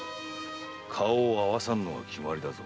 顔を合わさぬのが決まりだぞ。